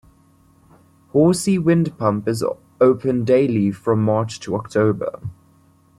Horsey Windpump is open daily from March to October.